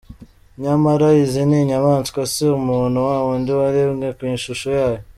Nyamara izi ni inyamaswa si umuntu wa wundi waremwe ku ishusho yayo.